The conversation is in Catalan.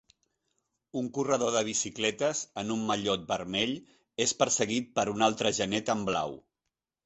Un corredor de bicicletes en un mallot vermell és perseguit per un altre genet amb blau.